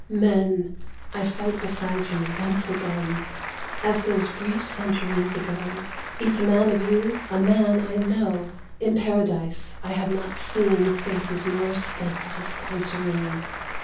Men, I fight beside you once again, As those brief centuries ago : Each man of you a man I know ! In Paradise I have not seen Faces more steadfast and serene.